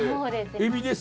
エビです。